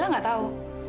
lila gak tahu